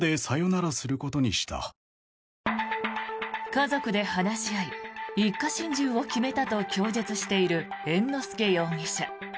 家族で話し合い一家心中を決めたと供述している猿之助容疑者。